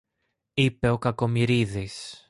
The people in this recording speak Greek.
είπε ο Κακομοιρίδης